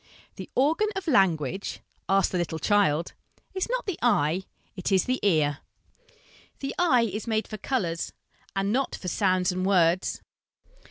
... The organ of language ask the little child is not the eye: it is the ear. The eye is made for colours, and not for sounds and words.